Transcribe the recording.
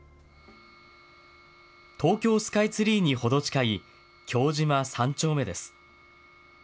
東京スカイツリーに程近い京島３丁目です。